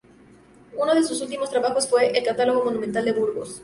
Uno de sus últimos trabajos fue el catálogo monumental de Burgos.